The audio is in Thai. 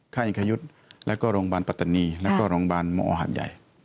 อิงคยุทธ์แล้วก็โรงพยาบาลปัตตานีแล้วก็โรงพยาบาลมอหาดใหญ่